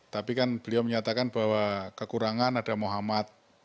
tapi kan beliau menyatakan bahwa kekurangan ada muhammad